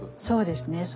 そうですね。